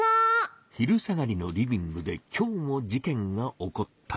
天の声昼下がりのリビングで今日も事件が起こった。